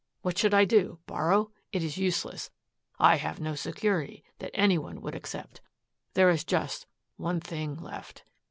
"What should I do? Borrow? It is useless. I have no security that anyone would accept. "There is just one thing left."